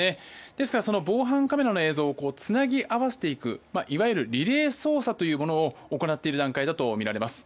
ですから、防犯カメラの映像をつなぎ合わせていくいわゆるリレー捜査というものを行っている段階だとみられます。